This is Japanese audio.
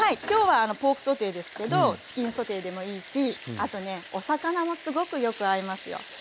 今日はポークソテーですけどチキンソテーでもいいしあとねお魚もすごくよく合いますよ。